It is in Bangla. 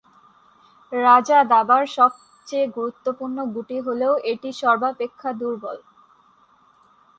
রাজা দাবার সবচেয়ে গুরুত্বপূর্ণ গুটি হলেও এটিই সর্বাপেক্ষা দুর্বল।